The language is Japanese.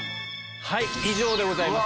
以上でございます。